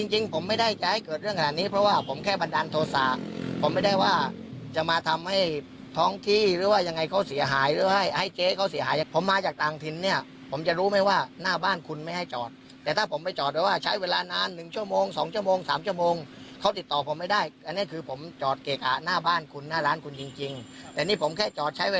เชิญมาใส่ผมแบบนี้ครับ